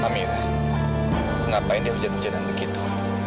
ngapain dia hujan hujanan begitu